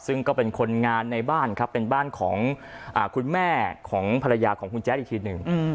ซึ่งก็เป็นคนงานในบ้านครับเป็นบ้านของคุณแม่ของภรรยาของคุณแจ๊ดอีกทีหนึ่ง